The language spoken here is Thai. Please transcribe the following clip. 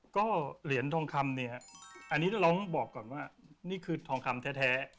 ก็เหรียญทองคำเนี่ยฮะอันนี้ลองบอกก่อนว่านี่คือทองคำแท้